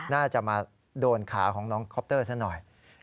น่าจะมาโดนขาของน้องคอปเตอร์ซะหน่อย